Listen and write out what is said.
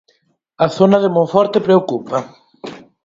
A zona de Monforte preocupa.